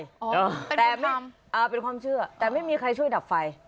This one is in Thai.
เป็นความเชื่ออ่าเป็นความเชื่อแต่ไม่มีใครช่วยดับไฟ